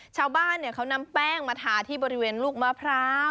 ชาวบ้านเขานำแป้งมาทาที่บริเวณลูกมะพร้าว